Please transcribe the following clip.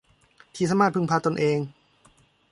ที่สามารถพึ่งพาตนเอง